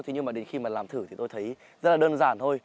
thế nhưng mà đến khi mà làm thử thì tôi thấy rất là đơn giản thôi